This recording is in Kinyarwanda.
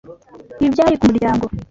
Ibi byari kumuryango.